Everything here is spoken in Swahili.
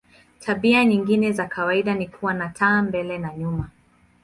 Tabia nyingine za kawaida ni kuwa na taa mbele na nyuma.